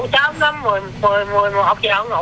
con ngủ sớm đó mười một giờ con ngủ rồi